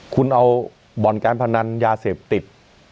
คุณเอาบ่อนการพนันยาเสพติด